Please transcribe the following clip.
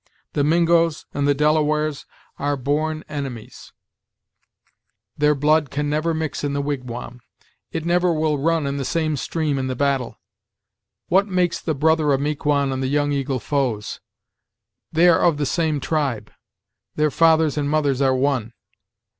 The Mingoes and the Delawares are born enemies; their blood can never mix in the wigwam; it never will run in the same stream in the battle. What makes the brother of Miquon and the Young Eagle foes? They are of the same tribe; their fathers and mothers are one.